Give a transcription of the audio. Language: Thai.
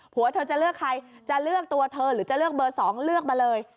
หัวเธอจะเลือกใครจะเลือกตัวเธอหรือจะเลือกเบอร์๒เลือกมาเลย